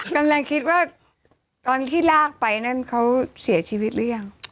กำลังคิดว่าตอนที่ลากไปนั่นเขาเสียชีวิตหรือยัง